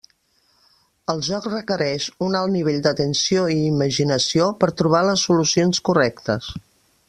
El joc requereix un alt nivell d'atenció i imaginació per trobar les solucions correctes.